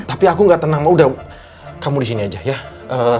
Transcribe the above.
tapi aku gak tenang udah kamu di sini aja ya